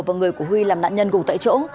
và người của huy làm nạn nhân cùng tại chỗ